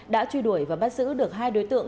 đã truy đuổi và bắt giữ được hai đối tượng